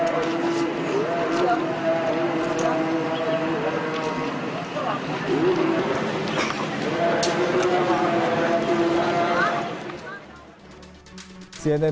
dua lainnya meninggal di rumah sakit